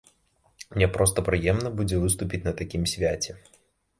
Мне проста прыемна будзе выступіць на такім свяце.